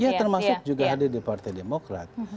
iya termasuk juga hadir di partai demokrat